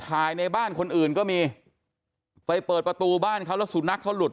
แข็งแข็งแข็งแข็งแข็งแข็งแข็งแข็งแข็งแข็ง